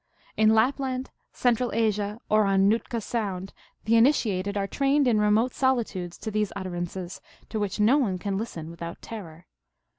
In Lapland, Central Asia, or on Nootka Sound the in itiated are trained in remote solitudes to these utter ances, to which no one can listen without terror.